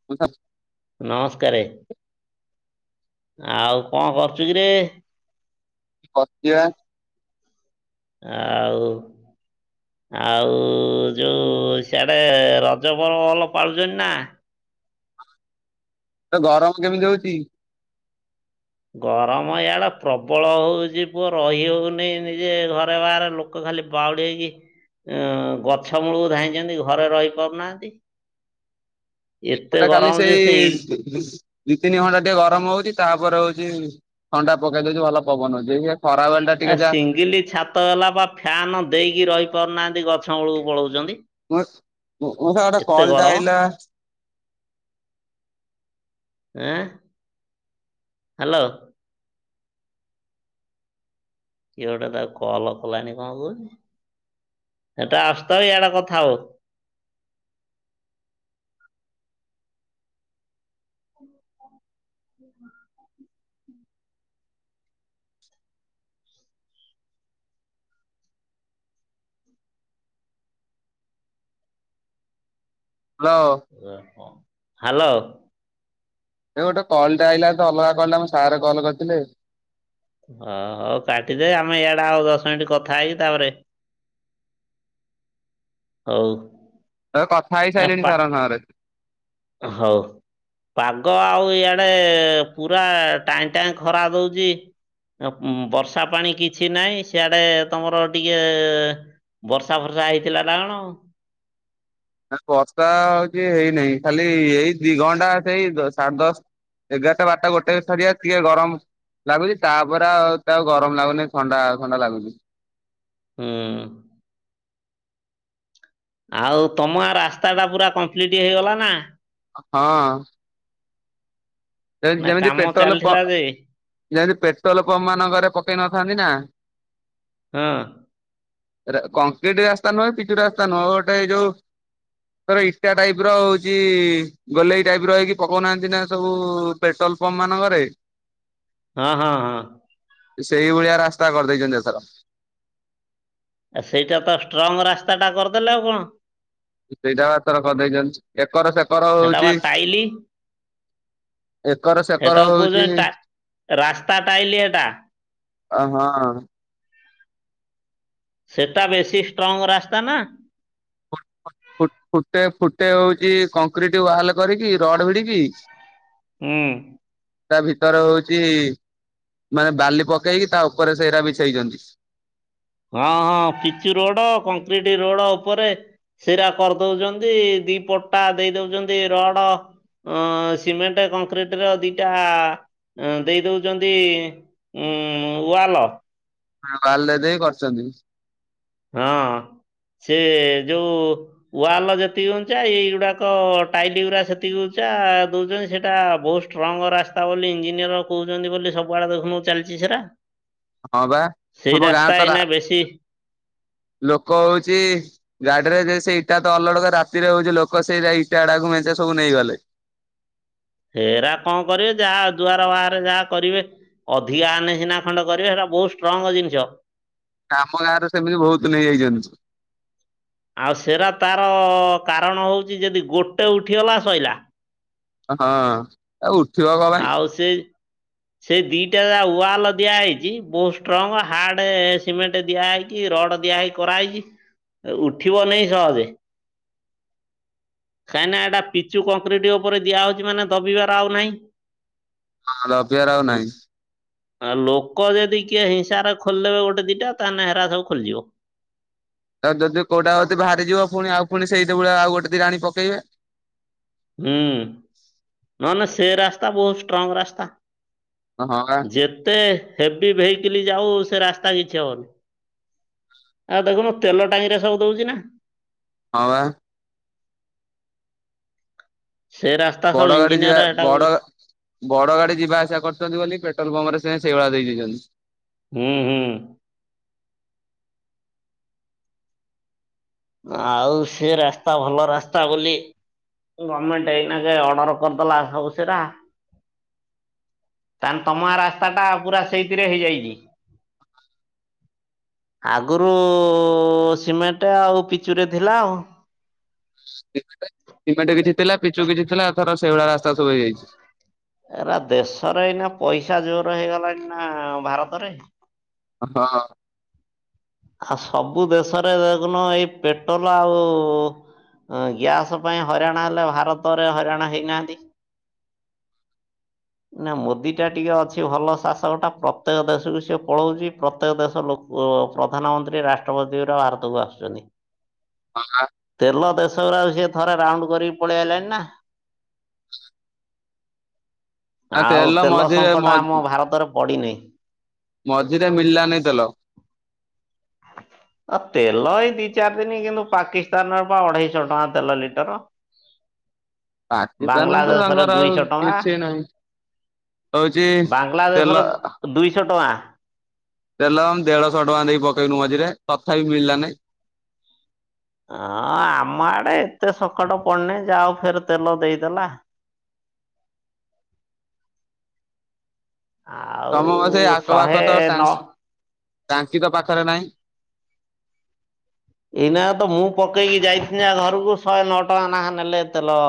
[inaudible] ନମସ୍କାର, ଆଉ କଣ କରୁଛୁ କିରେ? ବସିବା। ଆଉ ଆଉ ଯୋଉ ସିଆଡେ ରଜ ପର୍ବ ଭଲ ପାଳୁଛନ୍ତି ନା? ତ ଗରମ କେମିତି ହଉଛି? ଗରମ ୟାଡେ ପ୍ରବଳ ହଉଚି ପୁଅ ରହିହଉନି ନିଜେ ଘରେ ବାହାରେ ଲୋ ଲୋକ ଖାଲି ବାଉଳି ହେଇକି ଅ ଗଛ ମୂଳକୁ ଧାଇଁଛନ୍ତି ଘରେ ରହି ପାରୁନାହାନ୍ତି। [inaudible] ଏତେ ଏପଟେ ଖାଲି ଗରମ ଯେ ସେ ଇ ସେଇ ଦୁଇ ତିନି ଘଣ୍ଟା ଟିକେ ଗରମ ହଉଛି ତାପରେ ହଉଛି ଥଣ୍ଡା ପକେଇ ଦେଉଛି ଭଲ ପବନ ହଉଛି, ଆଜ୍ଞା। ଖରା ବେଳଟା ଟିକେ ଯା ଗିଲି ଛାପ ହେଲା ବା ଫ୍ୟାନ ଦେଇକି ରହି ପାରୁନାହାନ୍ତି ଗଛ ମୂଳକୁ ପଳାଉଛନ୍ତି। ମସ ମଉସା ଗୋଟେ କଲ ଟା ଆଇଲା? ଏଁ, ହ୍ୟାଲୋ। କିଏ ଗୋଟେ ତାକୁ କଲ କଲାଣିି କଣ କହୁଛି ସେଟା ଆସୁ ଥାଉ ଇଆଡେ କଥା ହଉ। ହୁ ହ ହ୍ୟାଲୋ। ହ ହ୍ୟାଲୋ। ଏ ଗୋଟେ କଲ୍ଟା ଆଇିଲା ତ ଅଲଗା କଲ୍ଟା ଆମ ସାର୍ କଲ୍ କରିଥିଲେ। ଓ ହଉ କାଟିଦେ ଆମେ ଇଆଡେ ଆଉ ଦଶ ମିନିଟ୍ କଥା ହେଇକି ତାପରେ ହଉ। ତ କଥା ହେଇ ଏ ସାରିଲିଣି ପା ସାରଙ୍କ ସାଙ୍ଗରେ। ହଉ ପାଗ ଆଉ ଇଆଡେ ପୁରା ଟାଇଁ ଟାଇଁ ଖରା ଦଉଚି। ବର୍ଷା ପାଣି କିଛି ନାହିଁ ସିଆଡେ ତମର ଟିକେ କେ ବର୍ଷା ଫର୍ଷା ହେଇଥିଲା ନା କଣ? ବର୍ଷା ହଉଛି ହେଇନାହିଁ ଖାଲି ଏଇ ଦି ଘଣ୍ଟା ସେଇ ସାଢେ ଦଶ ଏଗାରଟା, ବାର ଟା, ଗୋଟେ ସରିଆ ଟିକେ ଗରମ ଲାଗୁଛି ତାପରେ ଆଉ ତାଉ ଗରମ ଲାଗୁନି ଥଣ୍ଡା ଥଣ୍ଡା ଲାଗୁଛି। ହୁଁ ଆଉ ତମ ଗାଁ ରାସ୍ତା ଟା ପୁରା କମ୍ପ୍ଲିଟ ହେଇଗଲା ନା? ହଁ ନା ଯେମିତି କାମ ଚାଲିଥିଲା ପେଟ୍ରୋଲମ୍ ଯେ ଯେମିତି ପେଟ୍ରୋଲ ପମ୍ପ ମାନଙ୍କରେ ପକାଇ ନଥାନ୍ତି ନା ହଁ କଂକ୍ରିଟ ରାସ୍ତା ନୁହେଁ ପିଚୁ ରାସ୍ତା ନୁହେଁ ଗୋଟେ ଯୋଉ ଇଟା ଟାଇପ ର ହଉଛି ଗୋଲେଇ ଟାଇପ ର ହେଇକି ପକଉନାହାନ୍ତି ନା ସବୁ ବୁ ପେଟ୍ରୋଲ ପମ୍ପ ମାନଙ୍କ ରେ। ହଁ ହଁ ହଁ ସେଇ ଭଳିଆ ରାସ୍ତା କରିଦେଇଛନ୍ତି ଏଥର। ଆ ସେଇଟା ତ ଷ୍ଟ୍ରଙ୍ଗ ରାସ୍ତା ଟା କରିଦେଲେ ଆଉ କଣ। ସେଇଟା ତର କରିଦେଇଛନ୍ତି ଏକର ସେକର ହଉଛି। ଲି ଏକର ସେକର ହେଟାକୁ ହଉଚି। କହୁଛନ୍ତି ଟା ରାସ୍ତା ଟାଇଲି ଏଟା ଅ ହଁ। ସେଟା ବେଶୀ ଷ୍ଟ୍ରଙ୍ଗ ରାସ୍ତା ନା। ଫୁ- ଫୁ -ଫୁ- ଫୁଟେ, ଫୁଟେ ହଉଛି କଂକ୍ରିଟ ୱାଲ କରିକି ରଡ ଭିଡ଼ିକି ହୁଁ ତା ଭିତର ହଉଛି ମାନେ ବାଲି ପକେଇକି ତା ଉପରେ ସେଇରା ବିଛେଇଛନ୍ତି। ହଁ ହଁ ପିଚୁ ରୋଡ କଂକ୍ରିଟ ରୋଡ ଉପରେ ସେଇରା କରିଦଉଛନ୍ତି ଦି ପଟା ଦେଇ ଦଉଚନ୍ତି ରଡ ଅ ସିମେଣ୍ଟ କଂକ୍ରିଟ ର ଦିଟା ଦେଇ ଦଉଚନ୍ତି। ଉୁଁ ୱାଲ। ୱାଲ ଦେଇ କରିଚନ୍ତି। ହଁ ସେ ଯୋଉ ୱାଲ ଯେତିକି ଉଞ୍ଚା ଏଇଗୁଡାକ ଟାଇଲି ଗୁରା ସେତିକି ଉଞ୍ଚା ଦଉଛନ୍ତି ସେଟା ବୋଷ୍ଟ ଷ୍ଟ୍ରଙ୍ଗ ରାସ୍ତା ବୋଲି ଇଞ୍ଜିନିୟର କହୁଛନ୍ତି ବୋଲି ସବୁଆଡେ ଦେଖୁନୁ ଚାଲିଛି ସେରା। ହଁ ବା ସେଇ ତମ ଗାଁ ରାସ୍ତା ତ ରା ଏଇନା ବେଶୀ ଲୋକ ହଉଛି ଗାଡିରେ ଯେ ସେଇ ଏଇଟା ତ ଅଲୋଡ କରି ରାତିରେ ହଉଛି ଲୋକ ସେଇଟା ଇଟା ଆଡାକୁ ମେଞ୍ଚେ ସବୁ ନେଇଗଲେ। ହେରା କଣ କରିବେ ଯାହା ଦୁଆର ବାହାରେ ଯାହା କରିବେ। ଅଧିକା ଆନେ ସିନା ଖଣ୍ଡେ କରିବେ ସେଟା ବହୁତ ଷ୍ଟ୍ରଙ୍ଗ ଜିନିଷ। ଆମ ଗାଁ ରେ ସେମିତି ବହୁତ ନେଇଯାଇଛନ୍ତି। ଆଉ ସେରା ତାର କାରଣ ହଉଛି ଯଦି ଗୋଟେ ଉଠିଗଲା ସଇଲା। ହଁ ଆଉ ଉଠିବା ଆଉ ସେ ସେଇ ଦିଟା ୱାଲ ଦିଆହାଇଛି ବହୁତ ଷ୍ଟ୍ରଙ୍ଗ ହାର୍ଡ ସିମେଣ୍ଟ ଦିଆାଯାଇଛି। କି ରଡ ଦିଆ ହେଇ କରାହେଇଛି ଉଠିବନେହିଁ ସହଜେ। କାଇଁନା ଏଟା ପିଚୁ କଂକ୍ରିଟ ଉପରେ ଦିଆହଉଛି ମାନେ ଦବିବାର ଆଉ ନାହିଁ। ହଁ ଦବିଆର ଆଉ ନାହିଁ। ଆଉ ଲୋକ ଯଦି କିଏ ହିଂସାରେ ଖୋଲିଦେବେ ଗୋଟେ ଦିଟା ତାହେଲେ ହେରା ସବୁ ଖୋଲିଯିବ। ଆଉ ଯଦି କୋଉଟା ଯଦି ବାହାରିଯିବ ପୁଣି ଆଉ ପୁଣି ସେଇଟା ଭଳିଆ ଆଉ ଗୋଟେ ଦିଟା ଆଣି ପକେଇବେ। ହୁଁ ନହେଲେ ସେ ରାସ୍ତା ବହୁତ ଷ୍ଟ୍ରଙ୍ଗ ରାସ୍ତା। ହଁ ହା। ଯେତେ ହେଭି ଭେଇକିଲି ଯାଉ ସେ ରାସ୍ତା କିଛି ହବନି। ଆଉ ଦେଖୁନୁ ତେଲ ଟାଙ୍କିରେ ସବୁ ଦଉଛି ନା ହଁ ବା। ସେ ରାସ୍ତା ସବୁ ବଡ ଗାଡି ଯିବା ଇଞ୍ଜିନିୟର ସେଟାକୁ ବଡ ବଡ ଗାଡି ଯିବା ଆସିବା କରୁଛନ୍ତି ବୋଲି ପେଟ୍ରୋଲ ପମ୍ପରେ ସେ ସେଇଭଳିଆ ଦେଇଦେଇଛନ୍ତି। ହୁଁ ହୁଁ। ଆଉ ସେ ରାସ୍ତା ଭଲ ରାସ୍ତା ବୋଲି ଗମେଣ୍ଟ ଏଇନା କେ ଅର୍ଡ଼ର କରିଦେଲା ସବୁ ସେରା ତାେଲେ ତମ ରାସ୍ତାଟା ପୁରା ସେଇଥିରେ ହେଇଯାଇଛି। ଆଗରୁ ସିମେଣ୍ଟ ଆଉ ପିଚୁରେ ଥିଲା ଆଉ ସିମେଟ କିଛି ଥିଲା ପିଚୁ କିଛି ଥିଲା ଥର ସେଇଭଳିଆ ରାସ୍ତା ସବୁ ହେଇଯାଇଛି। ଏରା ଦେଶରେ ଏଇ ନା ପଇସା ଜୋରେ ହେଇଗଲାଣି ନା ଭାରତରେ। ହଁ। ଆଉ ସବୁ ଦେଶରେ ଦେଖୁନ ଏଇ ପେଟ୍ରୋଲ ଆଉ ହଁ ଗ୍ୟାସ୍ ପାଇଁ ହଇରାଣ ହେଲେ ଭାରତରେ ହଇରାଣ ହେଇନାହାନ୍ତି। ନା ମୋଦି ଟା ଟିକେ ଅଛି ଭଲ ଶାସକଟା ପ୍ରତ୍ୟେକ ଦେଶକୁ ସିଏ ପଳଉଛି ପ୍ରତ୍ୟେକ ଦେଶ ଲୋ ପ୍ରଧାନମନ୍ତ୍ରୀ ରାଷ୍ଟ୍ରପତି ଗୁରା ଭାରତକୁ ଆସୁଛନ୍ତି। [inaudible] ତେଲ ଦେଶଗୁରା ଆଉ ସିଏ ଥରେ ରାଉଣ୍ଡ କରିକି ପଳେଇ ଆଇଲାଣି ନା? ହଁ ଆଉ ତେଲ ମଝିରେ ସଙ୍କଟ ମଝି ଆମ ଭାରତରେ ପଡିନାହିଁ। ମଝିରେ ମିଳିଲାନି ତେଲ। ଆ ତେଲ ଏଇ ଦି ଚାରି ଦିନ କିନ୍ତୁ ପାକିସ୍ତାନର ବା ଅଢେଇଶହ ଟଙ୍କା ତେଲ ଲିଟର। ପାକିସ୍ତାନ ତ ବାଂଲାଦେଶରେ ତାଙ୍କର ଆଉ ଦୁଇଶହ ଟଙ୍କା। କିଛି ନାହିଁ ହଉଛି ତେଲ ବାଂଲାଦେଶର ଦୁଇଶହ ଟଙ୍କା। ତେଲ ଦେଢ଼ଶହ ଟଙ୍କା ଦେଇକି ପକେଇନୁ ମଝିରେ ତଥାପି ମିଳିଲା ନାଇଁ। ହଁ ଆମ ଆଡେ ଏତେ ସକାଟ ପଡନି ଯାହାହଉ ଫେର ତେଲ ଦେଇଦେଲା। ତମ ମତେ ଆଉ ଆଖପାଖ ଶହେ ତ ନଅ ଟାଙ୍କି ତ ପାଖରେ ନାହିଁ। ଏଇନା ତ ମୁଁ ପକେଇକି ଯାଇଥିଲି ନା ଘରକୁ ଶହେ ନଅ ଟଙ୍କା ନାହା ନେଲେ ତେଲ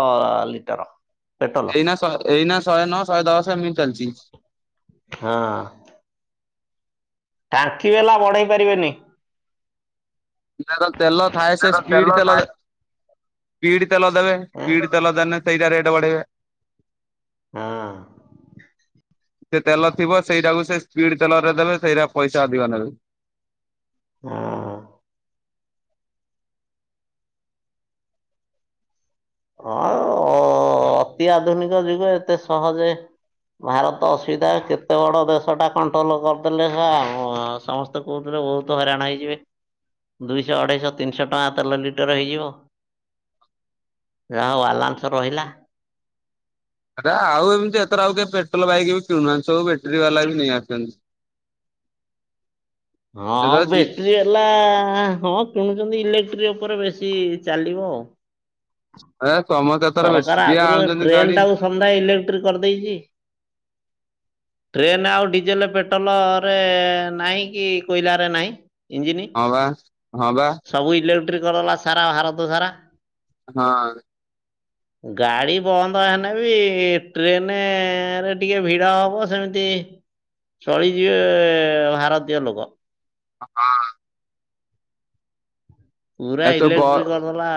ଲିଟର। ହ ଏଇନା ଶ ଏଇନା ଶହେ ନଅ ଶହେ ଦଶ ଏମିତି ଚାଲିଛି। ହଁ। ଟାଙ୍କିବାଲା ବଢେଇ ପାରିବେନି? ତେଲ ଖାଏ ସେ ତାର ସ୍ପିଡ ତେଲ ଥାଏ ସ୍ପିଡ ତେଲ ଦେବେ ସ୍ପିଡ ହଁ ତେଲ ଦେନେ ସେଇଟା ରେଟ୍ ବଢେଇବେ। ସେ ତେଲ ଥିବ ସେଇଟାକୁ ସେ ସ୍ପିଡ ତେଲରେ ଦେବେ ସେଇଟା ପଇସା ଅଧିକ ନେବେ। ହୁଁ। ହଁ ଅତି ଆଧୁନିକ ଯୁଗ ଏତେ ସହଜେ ଭାରତ ଅସୁବିଧା କେତେ ବଡ ଦେଶଟା କଣ୍ଟ୍ରୋଲ କରିଦେଲେ ସମ କହୁଥିଲେ ବହୁତ ହଇରାଣ ହେଇଯିବ ଦୁଇଶହ ଅଢେଇଶହ ତିନିଶହ ଟଙ୍କା ତେଲ ଲିଟର ହେଇଯିବ। ଯାହା ହଉ ୱାଲାନ୍ସ ରହିଲା। ଆ ଆଉ ଏମିତି ଏଥର ଆଉ କେ ପେଟ୍ରୋଲ ବାଇକ ବି କିଣୁନାହାନ୍ତି ସବୁ ବ୍ୟାଟେରୀ ବାଲା ବି ନେଇ ଆସଛନ୍ତି। ହଁ ଏଥର ଜି ବ୍ୟାଟରୀ ହେଲା ହଁ କିଣୁଛନ୍ତି ଇଲେକ୍ଟ୍ରି ଉପରେ ବେଶୀ ଚାଲିବ ଆଉ ଏ ସମସ୍ତେ ଏଥର ବେଶୀ ସରକାର ଯିଏ ଆଗରୁ ଆଣୁଛନ୍ତି ଟ୍ରେନ ଗାଡି ଟାକୁ ସନ୍ଧ୍ୟା ଇଲେକ୍ଟ୍ରିକ କରିଦେଇଛି। ଟ୍ରେନ୍ ଆଉ ଡିଜେଲେ ପେଟ୍ରୋଲରେ ନାହିଁ କି କୋଇଲାରେ ନାହିଁ ଇଞ୍ଜିନ୍। ହଁ ବା ହଁ ବା। ସବୁ ଇଲେକ୍ଟ୍ରିକ୍ କରିଦେଲା ସାରା ଭାରତ ସାରା। ହଁ। ଗାଡି ବନ୍ଦ ହେନେବି ଟ୍ରେନ ରେ ଟିକେ ଭିଡ଼ ହବ ସେମିତି ଚଳିଯିବେ ଭାରତୀୟ ଲୋକ। ହଁ। ପୁରା ଆ ସ ଇଲେକ୍ଟ୍ରି କରିଦେଲା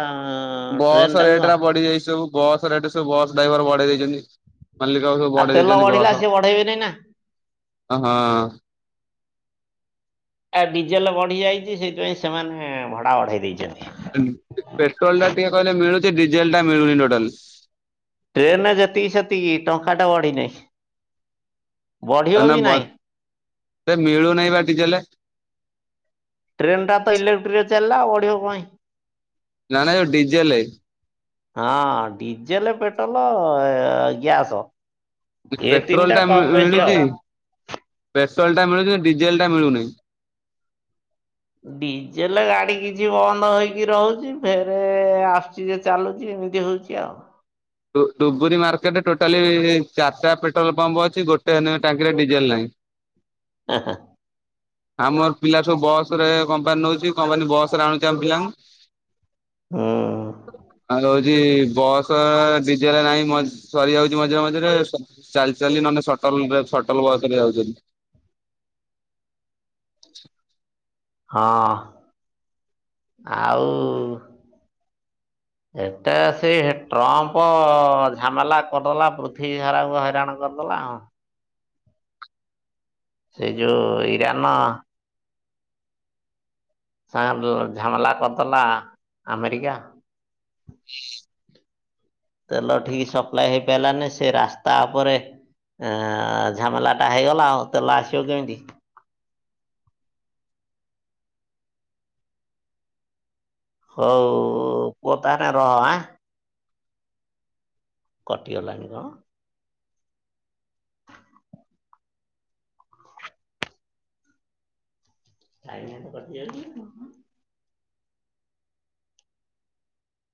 ଟ୍ରେନ ବସ୍ ଟାକୁ ରେଟ୍ ଆଉ। ଟା ବଢିଯାଇଛି ସବୁ। ବସ୍ ରେଟ୍ ସ ବସ୍ ଡ୍ରାଇଭର ବଢ଼େଇ ଦେଇଛନ୍ତି। ମଲ୍ଲିକ ବା ସବୁ ଆଉ ବଡେଇ ତେଲ ଦେଇଛନ୍ତି ବଢିଲା ବସ ସିଏ ବଢେଇବେନି ନା। ହଁ ହଁ। ଆ ଡିଜେଲ ବଢି ଯାଇଛି ସେଇଥିପାଇଁ ସେମାନେ ଭଡା ବଢ଼େଇ ଦେଇଛନ୍ତି। ପେଟ୍ରୋଲ୍ ଟା ଟିକେ କହିଲେ ମିଳୁଛି ଡିଜେଲ ଟା ମିଳୁନି ଟୋଟାଲ୍। ଟ୍ରେନ୍ ରେ ଯେତିକି ସେତିକି ଟଙ୍କା ଟା ବଢିନେଇ। ନା ବ ନାହିଁ। ସେ ମିଳୁନହିଁ ବା ଟିକେଟେ। ଟ୍ରେନ ଟା ତ ଇଲେକ୍ଟ୍ରିକ୍ ରେ ଚାଲିଲା ବଢ଼ିବା କଁ ପାଇଁ। ନା ନା ଯୋଉ ଡିଜେଲେ। ହଁ ଡିଜେଲ ପେଟ୍ରୋଲ ଗ୍ୟାସ୍ ପେଟ୍ରୋଲ୍ ଟା ମିଳୁଛି ଆଉ। ପେସଲ୍ ଟା ମିଳୁଛି କି ଡିଜେଲ ଟା ମିଳୁନି। ଡିଜେଲ ଗାଡି କିଛି ବନ୍ଦ ହେଇକି ରହୁଛି ଫେରେ ଆସୁ ଯେ ଚାଲୁଛି ଏମିତି ହୋଉଛି ଆଉ। ଡୁ-ଡୁବୁରି ମାର୍କେଟରେ ଟୋଟାଲିାରିଟାେଟ୍ରୋଲ୍ ପମ୍ପ ଅଛି ଗୋଟେ ଟାଙ୍କିରେ ଡିଜେଲ୍ ନାହିଁ। ଆ ହାଁ। ଆମର ପିଲା ସବୁ ବସ ରେ କମ୍ପାନୀ ନଉଛି କମ୍ପାନୀ ବସରେ ଆଣୁଛି ଆମ ପିଲାଙ୍କୁ। ହୁଁ ଆଉ ହଉଛି ବଅସ ବିଜରେ ନାହିଁ ସରିଯାଉଛି ମଝିରେ ମଝିରେ। ଚାଲି ଚାଲି ନହେଲେ ସଟଲ୍ ରେ ସଟଲ୍ ବସ ରେ ଯାଉଛନ୍ତି। ହଁ ଆଉ। ଏତେ ସେ ଟ୍ରଅମ୍ପ ଝାମେଲା କରିଦେଲା ପୃଥିବୀ ସାରାଙ୍କୁ ହଇରାଣ କରିଦେଲା ଆଉ। ସେ ଯୋଉଁ ଇରାନ ସାଙ୍ଗରେ ଲ୍ ଝାମେଲା କରିଦେଲା ଆମେରିକା। ତେଲ ଠିକ ସପ୍ଲାଏ ହେଇ ପାରିଲାନି ସେ ରାସ୍ତା ଓପରେ। ଏଁ ଝାମେଲାଟା ହେଇଗଲା ଆଉ ତେଲ ଆସିବ କେମିତି? ହଉ ପୁଅ ତାହାନେ ରହ ଆଁ କଟିଗଲାଣି କଣ ସାଙ୍ଗେ ସାଙ୍ଗେ କଟିଯାଉଛି। ରହ